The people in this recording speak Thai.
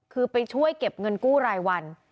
คือไปช่วยเก็บเงินกู้รายวัน